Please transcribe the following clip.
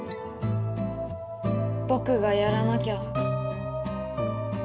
ぼくがやらなきゃ。